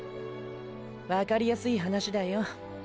ワカりやすい話だよ。